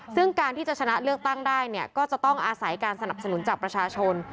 ซึ่งการที่จะชนะเลือกตั้งได้เนี่ยก็จะต้องอาศัยการสนับสนุนจากประชาชน